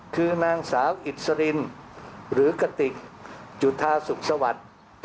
คือนางสาวอิสรินหรือกติกจุธาสุขสวัสดิ์